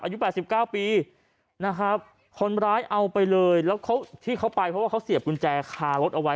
อายุ๘๙ปีนะครับคนร้ายเอาไปเลยแล้วเขาที่เขาไปเพราะว่าเขาเสียบกุญแจคารถเอาไว้